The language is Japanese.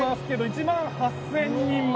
１万８０００人前？